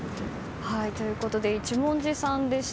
一文字さんでした。